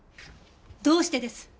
どうしてです？